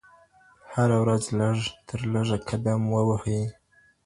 هره ورځ لږ تر لږه قدم ووهئ.